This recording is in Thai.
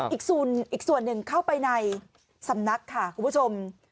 อีกส่วนอีกส่วนหนึ่งเข้าไปในสำนักค่ะคุณผู้ชม